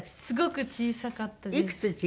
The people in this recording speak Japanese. すごく小さかったです。